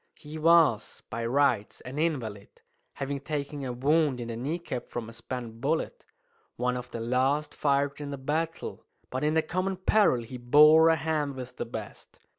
He was, by rights, an invalid, having taken a wound in the kneecap from a spent bullet, one of the last fired in the battle; but in the common peril he bore a hand with the best.